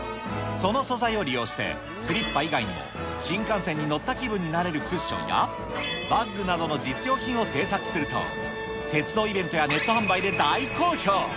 その素材を利用して、スリッパ以外にも、新幹線に乗った気分になれるクッションや、バッグなどの実用品を製作すると、鉄道イベントやネット販売で大好評。